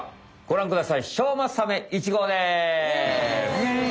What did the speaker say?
イエイ！